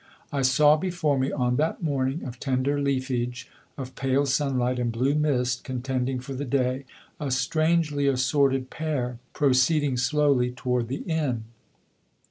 I saw before me on that morning of tender leafage, of pale sunlight and blue mist contending for the day, a strangely assorted pair proceeding slowly toward the Inn.